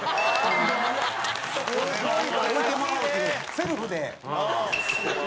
セルフで。